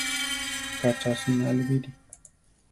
Ka cha asináli bíri!